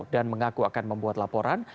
dan mengaku akan membuat laporan